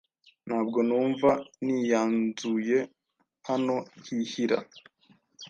Ntabwo numva nianzuye hanohihir